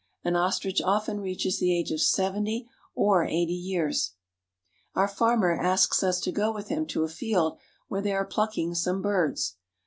An ostrich often reaches the age of seventy or eighty years. Our farmer asks us to go with him to a field where they ire plucking some birds.